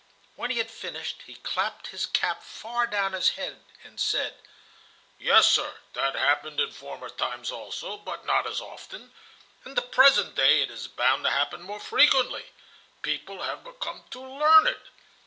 When he had finished, he clapped his cap far down on his head, and said: "Yes, sir, that happened in former times also, but not as often. In the present day it is bound to happen more frequently. People have become too learned."